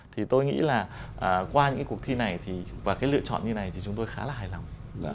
thì tôi nghĩ là qua những cái cuộc thi này và cái lựa chọn như này thì chúng tôi khá là hài lòng